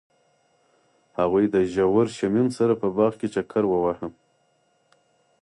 هغوی د ژور شمیم سره په باغ کې چکر وواهه.